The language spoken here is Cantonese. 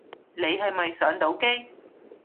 你係咪上到機